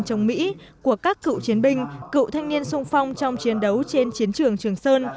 chống mỹ của các cựu chiến binh cựu thanh niên sung phong trong chiến đấu trên chiến trường trường sơn